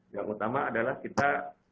yang utama adalah kita